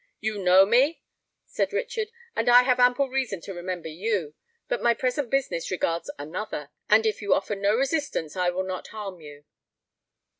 "You know me?" said Richard: "and I have ample reason to remember you. But my present business regards another; and if you offer no resistance, I will not harm you."